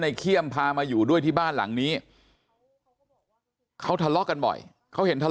แล้วก็ยัดลงถังสีฟ้าขนาด๒๐๐ลิตร